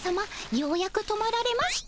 ようやく止まられました。